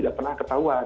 kalau pencucian uang